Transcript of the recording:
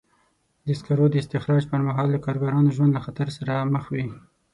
د سکرو د استخراج پر مهال د کارګرانو ژوند له خطر سره مخ وي.